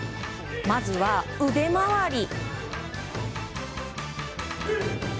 まずは腕回り。